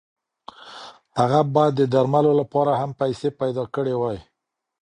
هغه باید د درملو لپاره هم پیسې پیدا کړې وای.